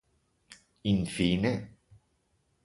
Infine.